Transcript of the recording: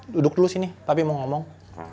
duduk dulu sini tapi mau ngomong